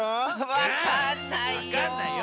わかんないよ。